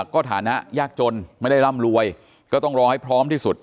ก็ฐานะยากจนไม่ได้ร่ำรวยก็ต้องรอให้พร้อมที่สุด